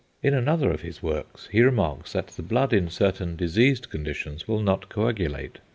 In another of his works he remarks that the blood in certain diseased conditions will not coagulate.